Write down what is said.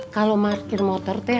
kalau maskin motor teh